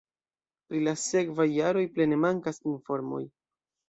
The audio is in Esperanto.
Pri la sekvaj jaroj plene mankas informoj.